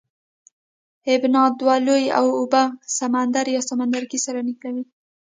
ابنا دوه لویې اوبه سمندر یا سمندرګی سره نښلوي.